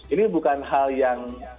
ini bukan hal yang